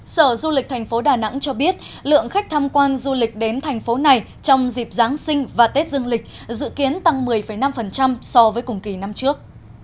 sở du lịch thành phố đà nẵng cho biết lượng khách tham quan du lịch đến thành phố này trong dịp giáng sinh và tết dương lịch dự kiến tăng một mươi năm so với cùng kỳ năm trước